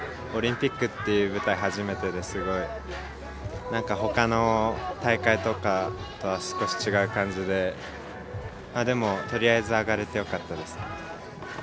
オリンピックっていう舞台が初めてですごいほかの大会とかとは少し違う感じででも、とりあえず上がれてよかったです。